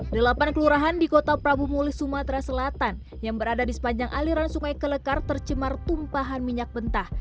delapan kelurahan di kota prabu mulih sumatera selatan yang berada di sepanjang aliran sungai kelekar tercemar tumpahan minyak mentah